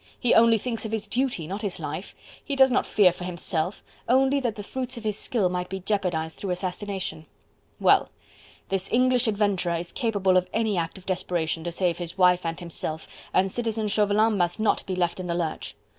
He only thinks of his duty, not of his life; he does not fear for himself, only that the fruits of his skill might be jeopardized through assassination. Well! this English adventurer is capable of any act of desperation to save his wife and himself, and Citizen Chauvelin must not be left in the lurch.